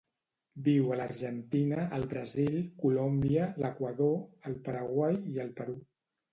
Viu a l'Argentina, el Brasil, Colòmbia, l'Equador, el Paraguai i el Perú.